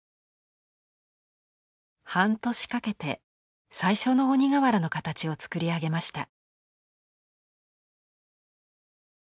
半年かけて最初の鬼瓦の形をつくり上げました。